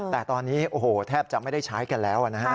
แต่ตอนนี้โอ้โหแทบจะไม่ได้ใช้กันแล้วนะฮะ